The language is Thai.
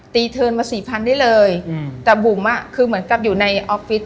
ตีเทินมา๔๐๐๐บาทได้เลยแต่บุ๋มคือเหมือนกับอยู่ในออฟฟิศ